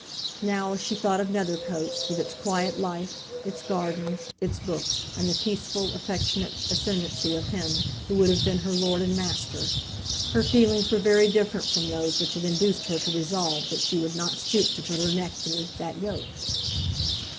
Now, as she thought of Nethercoats, with its quiet life, its gardens, its books, and the peaceful affectionate ascendancy of him who would have been her lord and master, her feelings were very different from those which had induced her to resolve that she would not stoop to put her neck beneath that yoke.